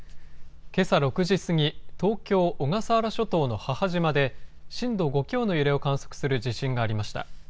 けさ６時過ぎ、東京小笠原諸島の母島で震度５強の揺れを観測する地震がありました。